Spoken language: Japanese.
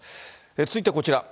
続いてこちら。